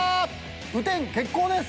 雨天決行です！